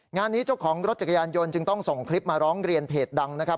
งานนี้เจ้าของรถจักรยานยนต์จึงต้องส่งคลิปมาร้องเรียนเพจดังนะครับ